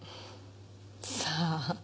さあ。